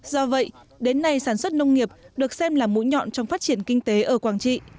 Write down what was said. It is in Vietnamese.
do vậy đến nay sản xuất nông nghiệp được xem là mũi nhọn trong phát triển kinh tế ở quảng trị